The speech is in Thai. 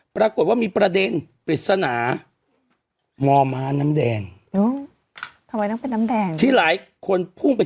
ปรากฎว่ามีประเด็นปริศนางอม้าน้ำแดงโอ๊ยทำไมต้องเป็นน้ำแดง